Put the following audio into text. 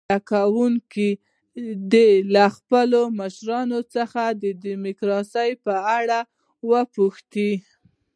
زده کوونکي دې له خپلو مشرانو څخه د ډموکراسۍ په اړه وپوښتي.